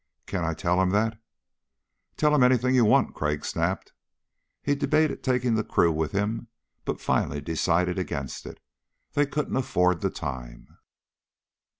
"Can I tell him that?" "Tell him anything you want," Crag snapped. He debated taking the crew with him but finally decided against it. They couldn't afford the time.